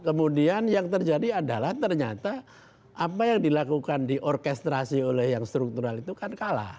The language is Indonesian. kemudian yang terjadi adalah ternyata apa yang dilakukan diorkestrasi oleh yang struktural itu kan kalah